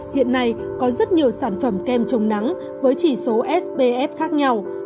hiện nay có rất nhiều sản phẩm kem chống nắng với chỉ số sbf khác nhau